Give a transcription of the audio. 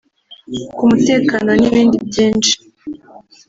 ku mutekano n’ibindi byinshi…